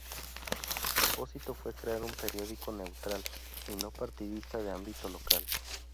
El propósito fue crear un periódico neutral y no partidista de ámbito local.